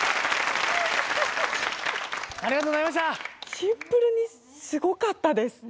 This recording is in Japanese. シンプルにすごかったです。